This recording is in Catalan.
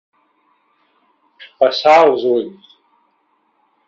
Passar els ulls.